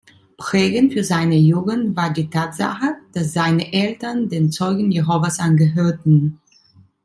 Prägend für seine Jugend war die Tatsache, dass seine Eltern den Zeugen Jehovas angehörten.